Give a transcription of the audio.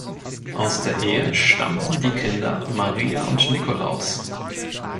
Aus der Ehe stammten die Kinder Maria und Nikolaus.